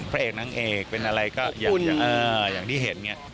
พระเอกนางเอกเป็นอะไรก็อย่างที่เห็นเนี่ย